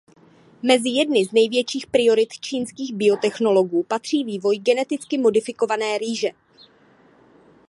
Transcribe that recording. Mezi jedny z největších priorit čínských biotechnologů patří vývoj geneticky modifikované rýže.